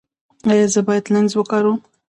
ایا زه باید لینز وکاروم؟